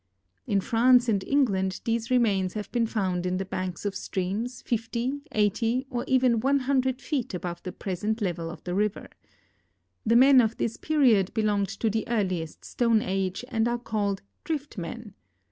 In France and England these remains have been found in the banks of streams 50, 80, or even 100 feet above the present level of the river. The men of this period belong to the earliest Stone Age, and are called " Drift men."